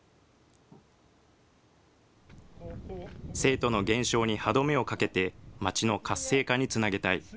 生徒の減少に歯止めを掛けて、町の活性化につなげたい。